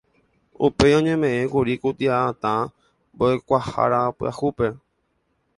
Upéi oñemeʼẽkuri kuatiaʼatã Mboʼekuaahára pyahúpe.